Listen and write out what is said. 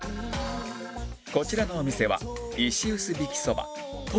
こちらのお店は